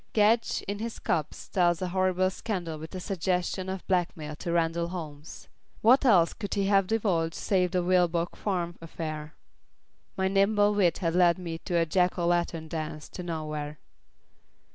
Gedge in his cups tells a horrible scandal with a suggestion of blackmail to Randall Holmes. What else could he have divulged save the Vilboek Farm affair? My nimble wit had led me a Jack o' Lantern dance to nowhere.